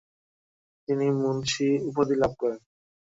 তিনি মুনশি উপাধি লাভ করেন।